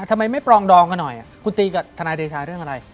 ทำไมไม่ปรองดองกันหน่อยคุณตีกับทนายเดชาเรื่องอะไร